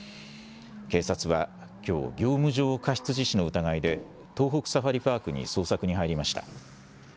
警察はきょう、業務上過失致死の疑いで、東北サファリパークに捜索に入りました。